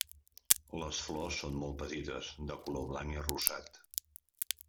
Les flors són molt petites, de color blanc i rosat.